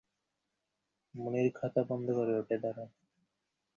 মুনির খাতা বন্ধ করে উঠে দাঁড়াল।